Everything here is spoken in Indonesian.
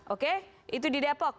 oke itu di depok